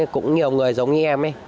cũng nhiều người giống như em